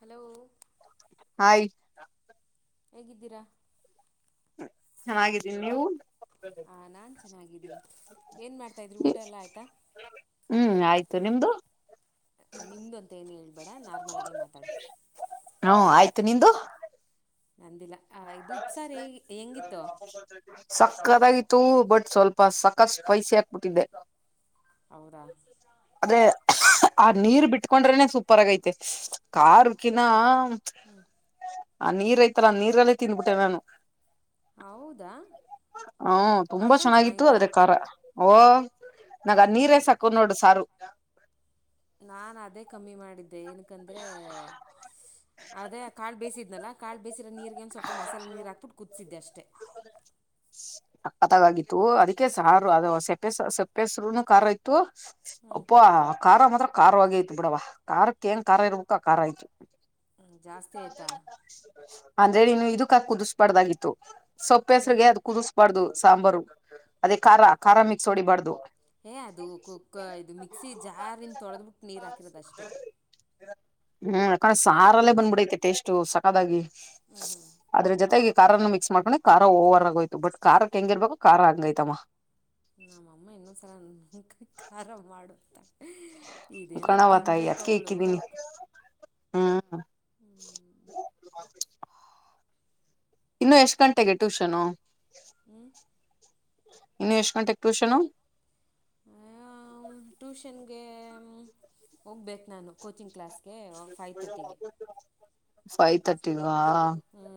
Hello hi ಹೇಗಿದ್ದೀರಾ ಚೆನ್ನಾಗಿದ್ದೀನಿ ನೀವು ಆ ನಾನ್ ಚೆನ್ನಾಗಿದ್ದೀನಿ ಏನ್ ಮಾಡ್ತಾ ಇದ್ರಿ ಊಟ ಎಲ್ಲ ಆಯ್ತಾ ಹ್ಮ್ ಆಯ್ತು ನಿಮ್ದು ನಿಮ್ದು ಅಂತ ಏನು ಹೇಳ್ಬೇಡ ನಾರ್ಮಲಾಗೇ ಮಾತಾಡು ಹ್ಮ ಆಯ್ತು ನಿಂದು ನಂದಿಲ್ಲ ಇದು ಉಪ್ಸಾರ ಹೇ ಹೆಂಗಿತ್ತು ಸಕತಾಗಿತ್ತು ಬಟ್ ಸ್ವಲ್ಪ ಸಕತ್ ಸ್ಪೈಸಿ ಆಕ್ಬಿಟ್ಟಿದ್ದೆ. ಹೌದಾ ಆದ್ರೆ ಆ ನೀರ್ ಬಿಟ್ಕೊಂಡ್ರನೆ ಸೂಪರ್ ಆಗೈತೆ ಕಾರಕಿನಾ. ಹು ಆ ನೀರ ಐತಲ್ಲ ನೀರಲ್ಲೇ ತಿಂದ್ಬಿಟ್ಟೆ ನಾನು. ಹೌದಾ ಹು ತುಂಬಾ ಅಷ್ಟೊಂದು ಚೆನ್ನಾಗಿತ್ತು ಚೆನ್ನಾಗಿತ್ತಾ ಆದ್ರೆ ಖಾರಾ. ಓ ನಗ ನೀರೆ ಸಾಕು ನೋಡು ಸಾರು. ನಾನ ಅದೇ ಕಮ್ಮಿ ಮಾಡಿದ್ದೆ ಏನಕಂದ್ರೆ ಅದೇ ಕಾಳ ಬಿಸಿದ್ನಲ್ಲಾ. ಕಾಳ ಬೇಸಿರ ನೀರಿಗೆ ಒಂದ ಸ್ವಲ್ ಮಸಾಲೆ ನೀರು ಹಾಕ್ಬಿಟ ಕುದಸಿದ್ದೆ ಅಷ್ಟೇ. ಅದಾಗಗಿತ್ತು ಅದಕ್ಕೆ ಸಾರು ಅದು ಸಪ್ಪೆ ಸಪ್ಪೆಸರುನು ಖಾರ ಇತ್ತು. ಅಪ್ಪಾ ಖಾರ ಮಾತ್ರ ಕಾರವಾಗೇ ಇತ ಬಿಡವ ಕಾರಾಕ್ಕ ಏಂಗ ಕಾರಾ ಇರ್ಬೇಕ ಆ ಕಾರಾ ಇತ್ತು. ಹು ಜಾಸ್ತಿ ಆಯ್ತಾ. ಅಂದ್ರೆ ನೀನು ಇದಕ್ಕ ಹಾಕಿ ಕುದಿಸಬಾರ್ದಾಗಿತ್ತು ಸೊಪ್ಪ ಏನು ಹೆಸ್ರಗೆ ಅದ ಕುದಿಸ. ಬಾಡರ್ದು ಸಾಂಬಾರು ಅದೇ ಖಾರ ಖಾರ ಮಿಕ್ಸ್ ಹೊಡಿಬಾರ್ದು. ಏ ಅದು ಕುಕ್ ಇದು ಮಿಕ್ಸಿ ಜಾರಿಂದ ತೊಳೆದ್ಬಿಟ್ಟು ನೀರ ಹಾಕಿರೋದ ಅಷ್ಟೇ. ಹು ಯಾಕಂದ ಸಾರಲ್ಲೇ ಬಂದ್ಬಿಡೈತೆ ಟೆಸ್ಟು ಸಕತ್ತಾಗಿ. ಹು ಹು ಅದ್ರ ಜೊತೆಗೆ ಇ ಖಾರನ್ನ ಮಿಕ್ಸ್ ಮಾಡ್ಕೊಂಡ ಖಾರ ಓವರ್ ಆಗೋಯ್ತು ಬಟ್ ಕಾರಕ್ಕ ಹೆಂಗಿರ್ಬೇಕು ಕಾರಾ ಹಂಗಯಐತವ್ವಾ. ನಮ್ಮಅಮ್ಮ ಇನ್ನೊಂದ್ಸಲ ನುಂಕ ಖಾರ ಮಾಡುಬಿಡ್ತಾಳ. ಇದೇನ ಕಣವ ತಿನ್ಬೇಕ ಅವಳು. ಹಾ ಹು ಬಾರ್ಬಿ. ಇನ್ನು ಎಷ್ಟು ಗಂಟೆಗೆ ಟ್ಯೂಷನು. ಹು ಇನ್ನು ಎಷ್ಟು ಗಂಟೆಗೆ ಟ್ಯೂಷನು. ಅಯ್ಯೋ ಟ್ಯೂಷನ್ಗೆ ಹೋಗ್ಬೇಕ ನಾನು ಕೋಚಿಂಗ್ ಕ್ಲಾಸ್. ಗೆ ಓಕ್ ಫೈವ್ ತರ್ಟಿಗೆ. ಫೈವ್ ತರ್ಟಿವಾ. ಹ್ಞೂ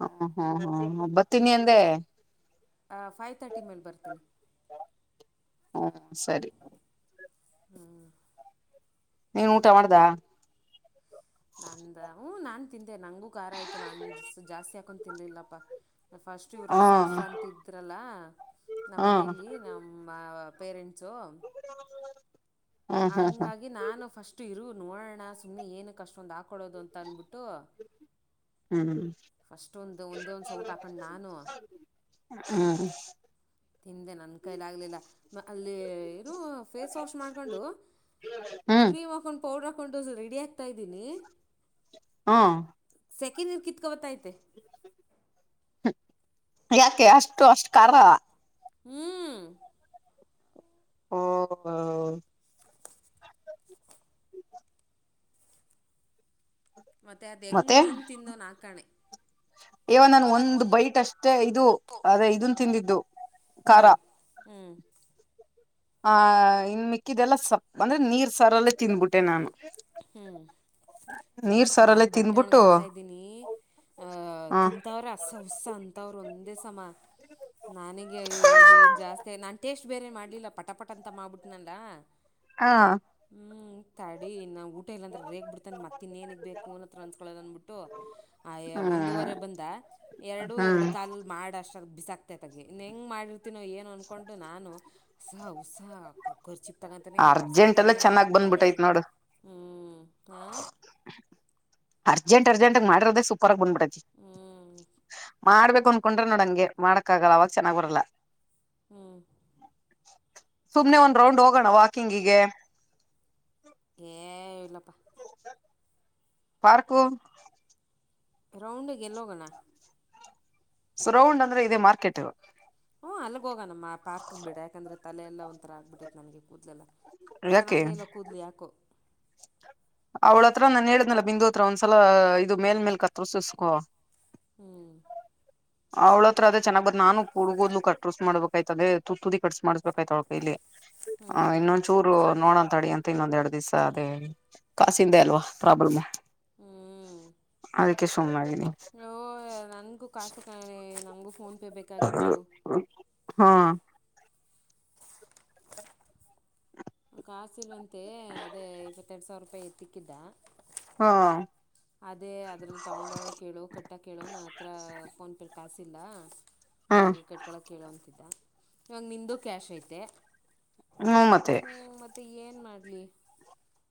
ಹು ಹು ಹು ಬರ್ತೀನಿ ಅಂದೆ. ಫೈವ್ ತರ್ಟಿ ಮೇಲೆ ಬರ್ತೀನಿ ಹ್ಮ್ ಸರಿ ಹು. ಹು ನೀವು ಊಟ ಮಾಡ್ದಾ. ನಂದ ಹು ನಾನ್ ತಿಂದೆ ನಂಗೂ ಖಾರ ಆಯ್ತು ನಾನು ಜಾಸ್ತಿ ಹಾಕೊಂಡು ತಿನ್ಲಿಲ್ಲಪ್ಪಾ. ಫಸ್ಟ್ ಇವ್ರು ರಸಾ ಹ್ಮ್ ಹುಸ ಅಂತಿದ್ರಲ್ಲ ನಮ್ಮ ಹ್ಮ್ ಮನೇಯಲ್ಲಿ ನಮ್. ಮ್ಮ ಪೇರೆಂಟ್ಸೋ. ಜೋ ಹಂಗಾಗಿ ನಾನು ಫಸ್ಟ್ ಇರು ನೋಡೋಣಾ ಸುಮ್ಮನೆ ಏನು ಕಷ್ಟೊಂದು ಹಾಕೊಡೋದು ಅಂತ ಅಂದಬಿಟ್ಟು. ಹು ಫಸ್ಟ್ ಒಂದು ಒಂದೇ ಒಂದು ಸೌಟ್ ಹಾಕೊಂಡು ನಾನು. ಹು ತಿಂದೆ ನನ್ನ ಕೈಲಾಗಲಿಲ್ಲಾ ಅಲ್ಲಿ ಏನು ಫೇಸ್ ವಾಶ್ ಮಾಡ್ಕೊಂಡು. ಹ್ಮ್ ಕ್ರೀಮ್ ಹಾಕೊಂಡು ಪೌಡ್ರ ಹಾಕೊಂಡು ರೆಡಿ ಆಗ್ತಾ ಇದೀನಿ. ಹು ಸೇಕಿ ನೀರ್ ಕಿಕ್ತೋಬರ್ತಾಯತೆ. ಯಾಕೆ ಅಷ್ಟು ಅಷ್ಟ ಕಾರಾ ಹುಂ ಓ [unintelligible] ಮತ್ತೆ ಅದ್ ಹೆಂಗ್ ನಿನ್ ತಿಂದೊ ನಾಕಾಣೆ ಇವ ನನ್ ಒಂದು ಬೈಟ್ ಅಷ್ಟೇ ಇದು ಅದೇ ಇದು ತಿಂದಿದ್ದು ಖಾರಾ ಹುಂ ಆ ಇನ್ ಮಿಕ್ಕಿದೆಲ್ಲಾ ಸ ಅಂದ್ರೆ ನೀರ್ ಸರಲ್ಲಿ ತಿಂದಬೀಟ್ಟೆ ನಾನು ನೀರ್ ಇವತ್ ಸಾರಲ್ಲೇ ನಾನ್ ಬಟ್ಟೆ ತಿಂದ್ಬಿಟ್ಟು ಒಣಗಾಕ್ತಾ ಇದ್ದೀನಿ ಅ ಹ ತಿಂತಾವ್ರ. ಸಂಸ್ ಅಂತಾರವೊಂದೆ ಸಮನಾ ನನಗೆ ಅಯ್ಯೋ ಏನ್ ಜಾಸ್ತಿ ನಾನ್ ಟೇಸ್ಟ್ ಬೇರೆ ಮಾಡ್ಲಿಲ್ಲ ಪಟಾಪಟಾ ಅಂತ ಮಾಡ್ಬಿಟ್ಟನಲ್ಲಾ ಹ [inaudible] ಹಾ ಹುಂ ತಡಿ ನಾ ಊಟ ಇಲ್ಲಾಂದ್ರ ರೇಗ್ ಬಿಡ್ತಾನೆ ಮತ್ತಿನ್ ಏನಗಕ ಬೇಕು ಇವನ್ನ ಹತ್ರ ಅನ್ಸ್ಕೊದ ಅಂದ್ಬಿಟ್ಟು ಐಯ ಹ್ಮ್ ಒಂದೂವರೆ ಬಂದಾ ಎರಡು ಹ್ಮ್ ಎರಡು ಕಾಲಲ್ಲಿ ಮಾಡಿ ಅಷ್ಟಾಗಿ ಬಿಸಾಕ್ ತಗ ಇನ್ ಹೆಂಗ್ ಮಾಡಿರ್ತೀನೋ ಏನೋ ಅನ್ಕೊಂಡು ನಾನು ಹಸ ಉಸ ಕುಕ್ಕರ್ ಚಿಪ್ಪ್ ತಗೊತಾನಿ ಅರ್ಜೆಂಟ್ ಎಲ್ಲ ಒರ್ಸ್ಕೊತಾನೆ ಚೆನ್ನಾಗ್ ಹಾಕ್ತಾನೆ ಬಂದ್ಬಿಟ್ಟೈತ್ ನೋಡು ಹ್ಮ ಹಾ ಅರ್ಜಂಟ್ ಅರ್ಜೆಂಟಗ ಮಾಡರದ ಸೂಪರ್ ಆಗಿ ಬಂದಬಿಡತ ಹ್ಮ ಮಾಡ್ಬೇಕ್ ಅನ್ಕೊಂಡ್ರ ನೋಡಂಗೆ ಮಾಡಕ್ ಆಗಲ್ಲ ಅವಾಗ ಚೆನ್ನಾಗ್ ಬರಲ್ಲಾ ಹಾ ಸುಮ್ನೆ ಒಂದ್ ರೌಂಡ್ ಹೋಗೋಣ ವಾಕಿಂಗಿಗೆ ಏ ಇಲಪ್ಪ ಪಾರ್ಕು ರೌಂಡಗೆ ಗೆಲ್ಲೋಗಣ ಸರೌಂಡ್ ಅಂದ್ರೆ ಇದೇ ಮಾರ್ಕೆಟ್ ಹ ಅಲ್ಲಿಗ್ ಹೋಗೋಣ ನಮ್ಮ ಪಾರ್ಕ್ ಗೆ ಬಿಡ ಯಾಕಂದ್ರೆ ತಲೆ ಎಲ್ಲಾ ಒಂಥರ ಆಗ್ಬಿಟ್ಟೈತ್ ನನಗೆ ಕೂದಲೆಲ್ಲಾ ಯಾಕೆ ಚೆನ್ನಾಗೇ ಇಲ್ಲಾ ಕೂದ್ಲ ಯಾಕೋ ಅವಳ ಹತ್ರ ನಾನ್ ಹೇಳಿದ್ನಲ್ಲ ಬಿಂದು ಹತ್ರ ಒಂದ್ಸಲಾ ಇದು ಮೇಲ್ ಮೇಲ್ ಕತ್ರಸಸ್ಕೋ ಹುಂ ಅವಳತ್ರದ ಚೆನ್ನಾಗಿ ಬ್ರ ನಾನು ಕುಡುಗೋದಲು ಕಟ್ಟಸ್ ಮಾಡ್ಬೇಕಾಯ್ತದೆ ತುದಿ ಕಟ್ಟಸ ಮಾಡ್ಬೇಕತ ಅವಳ್ ಕೈಲಿ ಹ್ಮ್ ಹ್ಮ್ ಇನ್ನೊಂದುಚೂರು ರು ನೋಡಂತ ತಡಿ ಅಂತ ಇನ್ನೊಂದೆರಡ್ ದಿವಸ ಅದೇ ಕಾಸಿಂದೆ ಅಲ್ವಾ ಪ್ರಾಬ್ಲಮ್ಮು ಹುಂ ಅದಕ್ಕೆ ಸುಮ್ನೆ ಆಗಿನೀ ಹೋ ನನಗೂ ಕಾಸು ಕಿ ನನಗೂ ಫೋನ್ ಪೇ ಬೇಕಾಗಿತ್ತು. ಹಾ ಕಾಸಿಲ್ವಂತೆ ಅದೇ ಇಪ್ಪತ್ತೆರಡು ಸಾವಿರ ರೂಪಾಯಿ ಎತ್ತಕ್ಕಿದ್ದಾ ಹಾ ಅದೇ ಅದ್ರಲ್ಲಿ ತಗೊಂಡ ಹೇಳು ಕಟ್ಟ ಹೇಳು ನನ್ನ ಹತ್ರ ಫೋನ್ ಪೇ ಕಾಸಿಲ್ಲಾ ಹಾ ಬಾಡಿಗೆ ಕಟ್ಕೊಳ್ಳಕ ಕೇಳುವಂತಿದ್ದ ಇವಾಗ ನಿಂದು ಕ್ಯಾಶ್ ಐತೆ ಹುಂ ಮತ್ತೆ ಮತ್ತೆ ಏನ್ ಮಾಡ್ಲಿ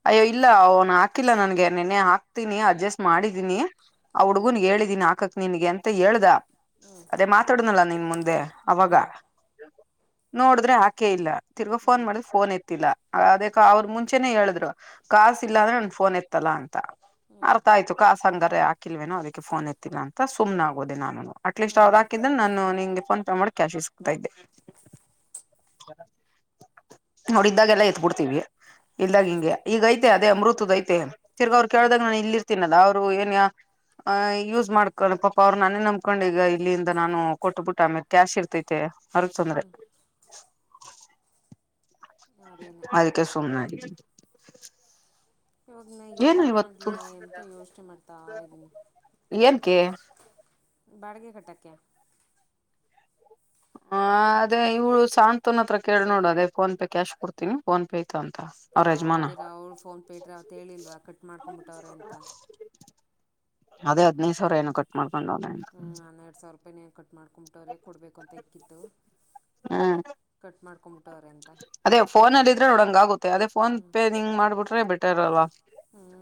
ಅಯ್ಯೋ ಇಲ್ಲ ಅವನು ಹಾಕಿಲ್ಲ ನನ್ಗೆ ನಿನ್ನೆ ಹಾಕ್ತೀನಿ ಅಡ್ಜೆಸ್ಟ್ ಮಾಡಿದೀನಿ ಅವ ಹ್ಞೂ ಹುಗುನ್ ಹೇಳಿದೀನಿ ಆಕಕ್ ನಿನ್ಗೆ ಅಂತ ಹೇಳ್ದ ಅದೇ ಮಾತಾಡನಲ್ಲ ನಿನ್ ಮುಂದೆ ಅವಾಗ ಹ್ಞೂ ನೋಡಿದ್ರೆ ಆಕೆ ಇಲ್ಲ ತಿರ್ಗಾ ಹ್ಞೂ ಫೋನ್ ಮಾಡಿದೆ ಫೋನ್ ಎತ್ತಿಲ್ಲ ಅದ ಅವ್ರರು ಮುಂಚೆನೆ ಹೇಳಿದ್ರು ಕಸ್ ಇಲ್ಲ ಅಂದ್ರೆ ನನ್ ಫೋನ್ ಎತ್ತ ತ್ತಲ್ಲಾ ಅಂತ ಹ್ಞೂ ಅರ್ಥ ಆಯ್ತು ಕಾಸಂಗಾರ ಹಾಕಿಲ್ವೇನೋ ಅದಕ್ಕೆ ಫೋನ್ ಎತ್ತಿಲ್ಲ ಅಂತ ಸುಮನೆ ಆಗೋದೆ ನಾನು ಅಟ್ ಲೀಸ್ಟ್ ಅವ್ ಹ್ಞೂ ಹಾಕಿದ್ರ ನು ನಿಂಗೆಫೋನ್ ಪೇ ಮಾಡಿ ಕ್ಯಾಶ್ ಇ ಗ್ದೆ ನೋಡಿದ್ದಾಗೆಲ್ಲ ಎತ್ಬಿಡ್ತೀವಿ ಇಲ್ದಾಗ ಹ್ಞೂ ಹಿಂಗೆ ಈಗ ಐತೆ ಅದೇ ಅಮೃತದ ಐತೆ ತಿರ್ಗ ಅವ್ರು ಕೇಳ್ದಾಗ ನಾನ ಇಲ್ಲಿರ್ ತಿನ್ನದ ಅವ್ರು ಏನ್ಯ ಆ್ ಯೂಸ್ ಮಾಡ್ಕೊಂಡ ಪಾಪ ಅವ್ರು ನನೇ ನಂಬಕೊಂಡ್ ಈಗ ಇಲ್ಲಿಂದ ನಾನು ಕೊಟ್ಬಿಟ್ಟ ಆಮೇಲೆ ಕ್ಯಾಶ್ ಇರ್ತ ತಿತೆ ಅರ ಚಂದ್ರೆ ಅದೇನೆ ಅದಕ್ಕೆ ಸುಮನೆ ಇವಾಗ ನ ಏನ್ ಏನು ಮಾಡ್ಲಿ ಇವತ್ತು ಅಂತ ಯೋಚನೆ ಮಾಡ್ತಾ ಇದ್ದೀನಿ ಏನ್ಕ್ಕೆ ಬಾಡಿಗೆ ಕಟ್ಟಕ್ಕೆ ಹ ಅದೇ ಇವಳ ಸಾಂತ್ವನ ಹತ್ರ ಕೇಳಿ ನೋಡು ಅದೇ ಫೋನ್ ಪೇ ಕ್ಯಾಶ್ ಕೊಡ್ತ ನಿ ಫೋನ್ ಪೇ ಐತ ಅಂತ ಅವ್ರ ಯಜಮಾನ ಹೌದಿಲ್ಲ ಅವ್ಳು ಫೋನ್ ಪೇ ಇಟ್ರೆ ಅವತ್ತು ಹೇಳಿಲ್ವಾ ಕಟ್ ಮಾಡ್ಕೊಂಬಿಟ್ಟವ್ರೆ ಅಂತ ಅದೇ ಹದಿನೈದು ಸಾವರ ಏನು ಕಟ್ ಮಾಡ್ಕೊಂಡವ್ನೆ ಹ್ಞೂ ಹನ್ನೆರಡು ಸಾವಿರ ರೂಪಾಯಿ ನೆ ಕಟ್ ಮಾಡಕೊಂಬಿಟ್ಟವ್ರೇ ಕೊಡಬೇಕು ಅಂತ ಇಕ್ಕಿತ್ತು ಹ್ಮ್ ಕಟ್ ಮಾಡ ಕ್ಂಬಿಟ್ಟವ್ರ ಅಂತ ಅದೇ ಫೋನ್ ಅಲ್ಲ ಇದ್ರೆ ನೋಡಂಗ ಆಗುತ್ತೆ ಅದೇ ಫೋನ್ ಪೇ ನಿಂಗ್ ಮಾಡ್ಬಿಟ್ರೆ ಬೆಟರ್ ಅಲ್ವಾ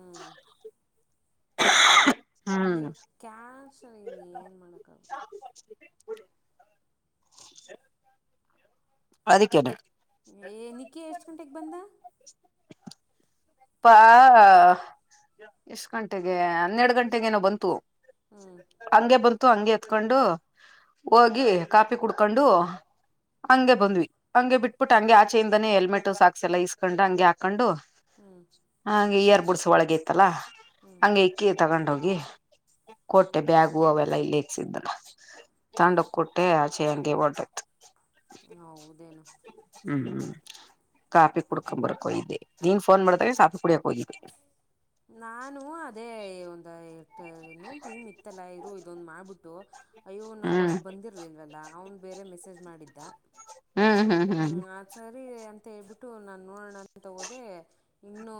ಹ್ಮ್ ಹ್ಮ್ ನೀವು ಕ್ಯಾನ್ಸಲ್ಲಿನ ಏನು ಮಾಡೋಕ್ಕಾಗುತ್ತೆ ಅದಕ್ಕೆೇನೆ ಏ ನಿಕ್ಕಿ ಎಷ್ಟು ಗಂಟೆಗೆ ಬಂದ ಅಪ್ಪಾ ಎಷ್ಟ್ ಗಂಟೆಗೆ ಹನ್ನೆರಡು ಗಂಟಗೇನೋ ಬಂತು ಹ್ಞೂ ಹಂಗೆ ಬಂತು ಹಂಗೆ ಎತ್ಕೊಂಡು ಹೋಗಿ ಕಾಪಿ ಕುಡ್ಕೊಂಡು ಹಂಗೆ ಬಂದ್ವಿ ಹಂಗೆ ಬಿಟ್ಬಿಟ್ಟು ಹಂಗೆ ಆಚೆಯಿಂದನೇ ಹೆಲ್ಮೆಟ್ ಸಾಕ್ಸ್ ಎಲ್ಲ ಈಸ್ಕೊಂಡ್ ಹಂಗೆ ಹಾಕೊಂಡು ಹ್ಮ ಹ ಹಂಗೆ ಈಯರ್ ಬುಡ್ಸ ಒಳಗೆ ತ್ತಲ್ಲಾ ಹಂಗೆ ಇಕ್ಕಿ ತಗೊಂಡೋಗಿ ಕೊಟ್ಟೆ ಬ್ಯಾಗು ಅವೆಲ್ಲ ಇಲ್ಲಿ ಇಸಿದ ತಂಡಕ್ ಕೊಟ್ಟೆ ಆಚೆ ಹಂಗೆ ಹೊಡ ಹೌದೇನೋ ಹ್ಮ್ ಹ್ಮ್ ಕಾಫಿ ಕುಡ್ಕೊ ಬರಕೊ ಇದ್ದೆ ನೀನ್ ಫೋನ್ ಮಾಡಿದಾಗ ಸಾಫಿ ಕುಡಿಯಕ್ ಹೋಗಿದ್ದಿ ನಾನು ಅದೇ ಒಂದು ಇನ್ನೇನ್ ಟೈಮ್ ಇತ್ತಲ್ಲ ಇರು ಇದೊಂದ್ ಮಾಡ್ಬಿಟ್ಟು ಅಯ್ಯೋ ನಾ ಹ್ಮ್ ಅವಾಗ್ ಬಂದಿ ಇರ್ಲ್ವಲ್ಲ ಅವ್ನ್ ಬೇರೆ ಮೆಸೇಜ್ ಮಾಡಿದ್ದ ಹ್ಮ್ ಹ್ಮ್ ಹ್ಮ್ ಸರಿ ಅಂತ ಹೇಳ್ಬಿಟ್ಟು ನಾನು ನೋಡೋಣ ಅಂತಹೊದೆ ಇನ್ನೂ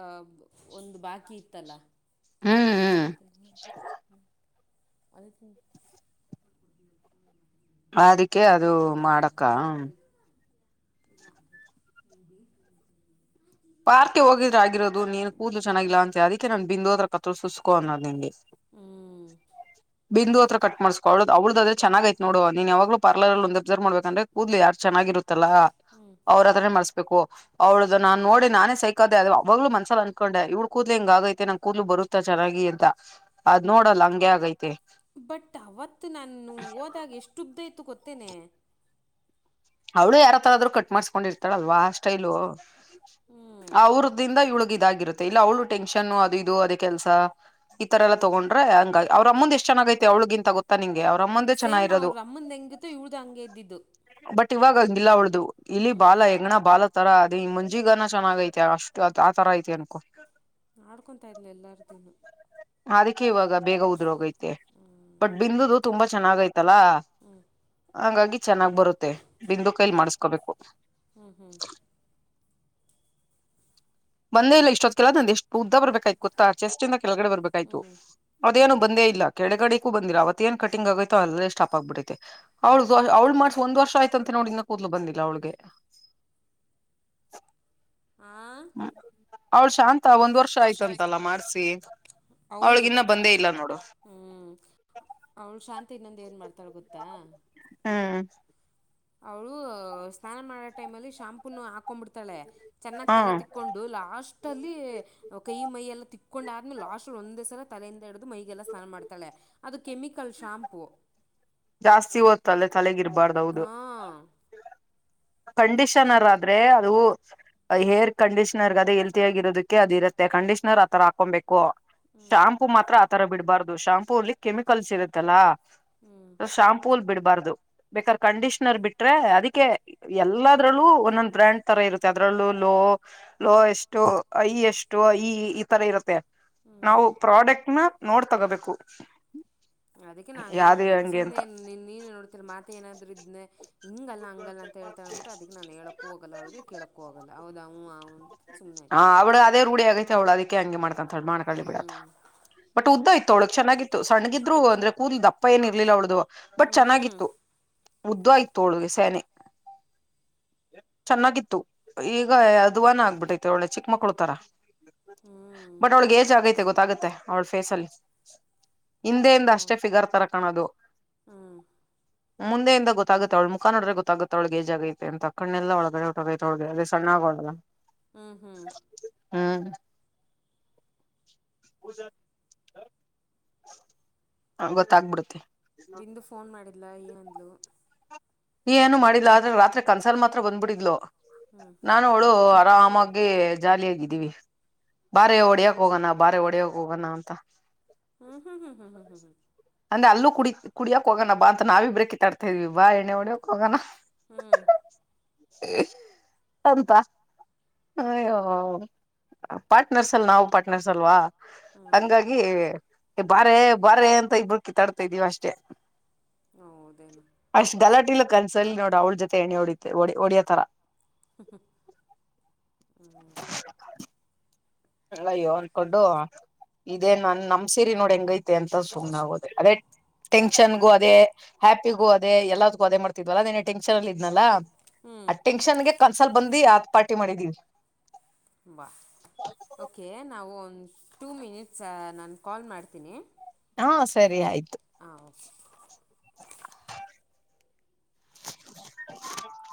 ಆ ಒಂದು ಬಾಕಿ ಇತ್ತಲ್ಲ ಹ್ಮ್ ಹ್ಮ್ ಅದತಿ ಅದಕ್ಕೆ ಅದು ಮಾಡಕ್ಕ ಇಲ್ಲ ಅದಕ್ಕು ನೀಗೆ ಬೇ ತಿತೀ [unintelligible] ಪಾರ್ಕ್ಗೆ ಹೋಗಿದ್ರ ಆಗಿರೋದು ನೀನ್ ಕೂದಲು ಚನ್ನಾಗಿಲ್ಲ ಅಂತ ಅದಕ್ಕೆ ನನ್ ಬಿಂದು ಅತ್ರ ತ್ರ ಸುಸ್ಕೋ ಅನ್ನೋದ ನಿಂಗೆ ಹ್ಞೂ ಬಿಂದು ಹತ್ರ ಕಟ್ ಮಾಡಸ್ಕೊಳ ಅವಳ ಅವ್ಳ್ದ ಆದ್ರೆ ಚನ್ನಾಗೈತ್ನೋಡು ನೀನ್ ಯಾವಾಗಲೂ ಪಾರ್ಲರ್ ಅಲ್ಲಿ ಒಂದು ಅಬ್ಸರ್ವ್ ಮಾಡ್ಬೇಕಂದ್ರೆ ಕೂದಲು ಯಾರದ್ ಚನ್ನಾಗಿರುತ್ತಲ್ಲ ಹ್ಮ್ ಅವ್ರತ್ರನೆ ಮಾಡಸ್ಬೇಕು ಅವಳ್ದ ನಾನ್ ನೋಡಿ ನಾನೇ ಸೈಕ ಅದೆ ಅವಾಗಲು ಮನ್ಸಲ್ ಅಂದಕೊಂಡೆ ಇವ್ಳ್ ಕೂದ್ಲೆ ಹಿಂಗ ಆಗೈತೆ ನಂಗ್ ಕೂದಲು ಬರುತ್ತ ಚೆನಾಗಿ ಅಂತ. ಅದ್ ನೋಡಲ್ಲ ಹಂಗೆ ಆಗೈತೆ. ಬಟ್ ಅವತ್ತು ನಾನು ಹೋದಾಗ ಎಷ್ಟು ಉದ್ದ ಇತ್ತು ಗೊತ್ತೇನೆ. ಅವಳು ಯಾರತ್ರ ಆದ್ರು ಕಟ್ ಮಾಡಸ್ಕೊಂಡಿರ್ತಾಳಲ್ವಾ ಸ್ಟೈಲು. ಹ್ಞೂ ಅವ್ರ್ದಿಂದ ಇವಳಗ್ ಇದಾಗಿರುತ್ತೆ ಇಲ್ಲ ಅವಳು ಟೆನ್ಷನ್ ಅದು ಇದು ಅದೇ ಕೆಲ್ಸ. ಈತರ ಎಲ್ಲ ತಗೊಂಡ್ರೆ ಹಂಗ ಅವ್ರ ಅಮ್ಮಂದ ಎಷ್ಟು ಚೆನ್ನಾಗೈತೆ ಅವ್ಳಿಗಂತ ಗೊತ್ತ ನಿಂಗೆ ಅವ್ರಮ್ಮಂದೆ ಸೇಮ್ ಚೆನ್ನಾಗಿರೋದು. ಅವ್ರ ಅಮ್ಮಂದು ಹೆಂಗ ತ್ತು ಇವ್ಳದು ಹಂಗೆ ಇದ್ದಿದ್ದು. ಬಟ್ ಇವಾಗ ಹಂಗಿಲ್ಲ ಅವಳ್ದು ಇಲಿ ಹ್ಞೂ ಬಾಲ ಹೆಗ್ಗಣ ಬಾಲ ಆ ತರ ಅದ ಈ ಮಂಜಿಗನ ಚೆನ್ನಾಗ ಐತಿ ಅಷ್ಟು ಆ ತರ ಐತಿ ಅನ್ಕೋ. ಆಡ್ಕೊಂತಾ ಇದ್ಲು ಎಲ್ಲಾರ್ದುನು. ಅದಕ್ಕೆ ಇವಾಗ ಬೇಗ ಉದ್ರೋಗೈತೆ ಬಟ್ ಬಿಂದೂದು ತುಂಬಾ ಚೆನ್ನಾಗೈತಲ್ಲಾ. ಹ್ಞ ಹಂಗಾಗಿ ಚೆನ್ನಾಗ್ ಬರುತ್ತೆ ಬಿಂದು ಕೈಲ್ ಮಾಡಸ್ಕೋಬೇಕು. ಹ್ಮ್ ಹ್ಮ್ ಬಂದೇ ಇಲ್ಲ ಇಷ್ಟೊತ್ ಗೆಲ್ಲ ನಂದ್ ಎಷ್ಟು ಉದ್ದ ಬರ್ಬೇಕಾಯ್ತು ಗೊತ್ತಾ ಚೆಸ್ಟ್ ಇಂದ ಕೆಳಗಡೆ ಹ್ಞೂ ಬರ್ಬೇಕಾಯ್ತು. ಅದೇನು ಬಂದೇ ಇಲ್ಲ ಕೆಡೆಗಡಿಕೂ ಬಂದಿಲ್ಲ ಅವತ್ತ್ತೇನ್ ಕಟಿಂಗ್ ಆಗೈತೋ ಅಲ್ಲೇ ಸ್ಟಾಪ್ ಆಗ್ಬಿಡೈತೆ. ಅವಳ್ದು ಅವಳ್ ಮಾಡ್ಸಿ ಒಂದ ವರ್ಷ ಆಯ್ತಂತೆ ನೋಡ್ ಇನ್ನ ಕೂದ್ಲು ಬಂದಿಲ್ಲ ಅವ್ಳಿಗೆ. ಆ ಅವ್ಳ ಶಾಂತ ಒಂದ್ ವರ್ಷ ಷ ಆಯ್ತು ಆಯ್ತಂತಲ್ಲ ಮಾಡ್ಸಿ ಅವಳಗ್ ಇನ್ನ ಬಂದೇ ಇಲ್ಲ ನೋಡು. ಹ್ಮ್ ಅವಳು ಶಾಂತಿ ಇನ್ನೊಂದು ಏನ್ ಮಾಡ್ತಾಳ ಗೊತ್ತಾ. ಹ್ಮ್ ಅವಳು ಸ್ನಾನ ಮಾಡೋ ಟೈಮ್ ಅಲ್ಲಿ ಶಾಂಪೂನು ಹಾಕೊಂಬಿಡ್ತಳೆ ಚೆನ್ನಾಗ್ ಹ್ಮ ತಲೆ ತಿಕ್ ಕ್ಕೊಂಡು ಲಾಸ್ಟ್ ಅಲ್ಲಿ ಕೈ ಮೈಯ ಎಲ್ಲಾ ತಿಕ್ಕೊಂಡಾದ್ಮಲೆ ಲಾಸ್ಟ್ ಒಂದ್ಸಲ ತಲೆಯಿಂದ ಹಿಡ್ದು ಮೈಗೆಲ್ಲ ಸ್ನಾನ ಮಾಡ್ತಾಳೆ. ಅದು ಕೆಮಿಕಲ್ ಶಾಂಪೂ. ಜಾಸ್ತಿ ಓತ್ತಲ್ಲೆ ತಲೆಗಿರ್ಬಾರ್ದು. ಹಾ ಕಂಡೀಷನರ್ ಆದ್ರೆ ಅದು ಅ ಹೇರ್ ಕಂಡೀನರ್ ಅದೇ ಹೆಲ್ತಿ ಆಗಿರೋದಕ್ಕೆ ಅದ ಇರುತ್ತೆ ಕಂಡಿಷನರ್ ಆತರ ಹಾಕೊಂಬೇಕೂ. ಹ್ಞೂ ಶಾಂಪೂ ಮಾತ್ರ ಆತರ ಬಿಡ್ಬಾರ್ದು ಶಾಂಪೂ ಅಲ್ಲಿ ಕೆಮಿಕಲ್ಸ್ ಇರುತ್ತಲ್ಲಾ. ಹ್ಞೂ ಶಾಂಪೂಲ್ ಬಿಡ್ಬಾರ್ದು ಬೇಕಾದ್ರೆ ಕಂಡೀಷನರ್ ಬಿಟ್ರೆ ಅದಕ್ಕೆ ಎಲ್ಲದ್ರಲ್ಲೂ ಒಂದೊಂದ್ ಬ್ರ್ಯಾಂಡ್ ತರ ಇರುತ್ತೆ ಅದ್ರಲ್ಲೂ ಲೋ ಲೋಯಷ್ಟು ಹೈಯಷ್ಟು ಹೈ ಈ ತರ ಇರುತ್ತೆ. ಹ್ಞೂ ನಾವು ಪ್ರಾಡಕ್ಟ್ ನ ನೋಡ್ ತಗೋಬೇಕು. ಅದಕ್ಕೆ ನಾನೇನು ಯಾವ್ದೇ ಹೇಳಲಿಲ್ಲ ಹಂಗೆ ಸುಮ್ನೇ ಅಂತ ನೀನ್ ನೋಡ್ತರ ಮಾತ ಏನಾದ್ರು ಇದ್ನೇ. ಹಿಂಗಲ್ಲ ಹಂಗಲ್ಲ ಅಂತ ಹೇಳ್ತಾಳ್ ಅಂದ್ಬಟ್ಟು ಅದಕ್ಕೆ ನಾನು ಹೇಳೋಕ್ಕೂ ಹೋಗಲ್ಲ ಅವಳಿಗೆ ಕೇಳೋಕ್ಕೂ ಹೋಗಲ್ಲ ಹೌದಾ ಹು ಅವ್ನು ಹಾ ಅವ್ಳು ಅದೇ ರೂಢಿ ಆಗೈತೆ ಅವ್ಳು ಅದಿಕ್ಕೆ ಹಂಗೆ ಮಾಡ್ತಂತಳ ಮಾಡ್ಕಳಿ ಬಿಡತ್ತ. ಹ್ಞೂ ಬಟ್ ಉದ್ದ ಇತ್ತು ಅವ್ಳಗ್ ಚನ್ನಾಗಿತ್ತು ಸಣ್ಣಗಿದ್ರು ಅಂದ್ರೆ ಕೂದ್ಲ್ ದಪ್ಪ ಏನ್ ಇರ್ಲಿಲ್ಲ ಅವ್ಳದು. ಬಟ್ ಹ್ಞೂ ಚೆನ್ನಾಗಿತ್ತು ಉದ್ದಾ ಇತ್ತು ಅವ್ಳಗೆ ಸ್ಯಾನೆ. ಚೆನ್ನಾಗಿತ್ತು ಈಗ ಅದುವಾನ ಆಗ್ಬಿಟ್ಟೈತಿ ಒಳ್ಳೆ ಚಿಕ್ಕ ಮಕ್ಳು ತರ. ಹ್ಞೂ ಬಟ್ ಅವಳಿಗೆ ಏಜ್ ಆಗೈತೆ ಗೊತ್ತಾಗತ್ತೆ ಅವ್ಳ ಫೇಸಲ್ಲಿ ಹಿಂದೆಯಿಂದ ಹ್ಞೂ ಅಷ್ಟೇ ಫಿಗರ್ ತರ ಕಾಣೋದು ಮುಂದೆಯಿಂದ ಗೊತ್ತಾಗುತ್ತೆ ಅವಳ್ಮ ಮುಖ ನೋಡ್ರೆ ಗೊತ್ತಾಗುತ್ತ ಅವ್ಳಿಗ ಏಜ್ ಆಗೈತೆ ಅಂತ ಕಣ್ಣಲ್ಲ ಒಳಗಡೆ ಹೊಟದೈತೆಳಗೆ ಅದ ಸಣ್ಣ ಆಗೋಳಲ. ಹ್ಮ ಹ್ಮ ಹ್ಮ ಹ ಗೊತ್ತಾಗ ಬಿಡುತ್ತೆ. ಬಿಂದು ಫೋನ್ ಮಾಡಿಲ್ಲ ಏನ ಅಂದ್ಲು. ಏನು ಮಾಡಿಲ್ಲ ಆದ್ರೆ ರಾತ್ರಿ ಕನ್ಸಲ ಮಾತ್ರ ಬಂದ ಬಿಡಿದ್ಲು ಹ್ಞೂ ನಾನು ಳು ಆರಾಮಾಗಿ ಜಾಲಿಯಾಗಿದ್ದೀವಿ. ಬಾರೆ ಹೊಡೆಯಕ ಹೋಗೋಣ ಬಾರೆ ಹೊಡ್ಯಕ ಹೋಗಣ ಅಂತ. ಹ್ಮ ಹ್ಮ ಹ್ಮ ಹ್ಮ ಹ್ಮ ಹ್ಮ ಅಂದ್ರೆ ಅಲ್ಲ ಕುಡಿ ಕುಡಿಯಕ ಹೋಗೋಣ ಬಾ ಅಂತ ನಾವಿಬ್ರೇ ಕಿತ್ತಾಡ್ತಾ ಇದ್ವಿ ಬಾ ಎಣ್ಣೆ ಹೊಡಿಯಕ ಹೋಗೋಣ. ಹ್ಮ ಅಂತ ಪಾರ್ಟ್ನರ್ಸ್ ಅಲ್ ನಾವು ಪಾರ್ಟ್ನರ್ಸ್ ಅಲ್ವಾ ಹ್ಞೂ ಹಂಗಾಗಿ ಎ ಬಾರೆ ಬಾರೆ ಅಂತ ಇಬ ಕಿಟ್ಟಡ್ತಿದೀವಿ ಅಷ್ಟೆ. ಹೌದೇನು ಅಷ್ಟ ಗಲಾಟಲಿ ಕನ್ಸಲ್ಲಿ ನೋಡ ಅವಳ ಜೊತೆ ಎಣೆ ಹೊಡಿತೆಡಿ ಹೊಡಿ ಹೊಡಿಯೋತರ ಹಂಗೆ ಅಯ್ಯೋ ಅನ್ಕೊಂಡು ಇದೇನ ನಮ್ ಸೀರಿ ನೋಡ ಹೆಂಗೈತೆ ಅಂತ ಸುಮ್ನೆ ಆಗೋದೆ ಅದೇ ಟೆನ್ಷನ್ಗೂ ಅದೇ ಹ್ಯಾಪಿಗು ಅದೆ ಎಲ್ಲದಗೂ ಅದೇ ಮಾಡ್ತಿದ್ವಲ್ಲ ಟೆನ್ಷನ್ ಅಲ್ಲಿ ದ್ನಲ್ಲಾ ಹ್ಞೂ ಆ ಟೆನ್ಷನ್ಗೆ ಕನ್ಸಲ್ ಬಂದ ಆತ್ ಪಾರ್ಟಿ ಮಾಡಿದೀವಿ. ಬಾ ಓಕೆ ನಾವ ಒಂದು ಟೂ ಮಿನಿಟ್ಸ್ ನಾನ ಕಾಲ್ ಮಾಡ್ತೀನಿ. ಹಾ ಸರಿ ಆಯ್ತು. ಹಾ ಓಕೆ. [inaudible]